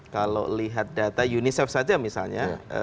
kalau lihat data unicef saja misalnya